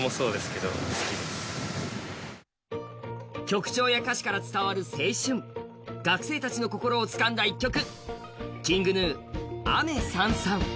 曲調や歌詞から伝わる青春学生たちの心をつかんだ一曲。